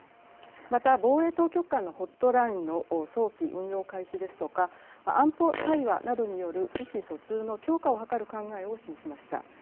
また防衛当局間のホットラインの早期運用開始ですとか安保対話などによる意思疎通の強化を図る考えを示しました。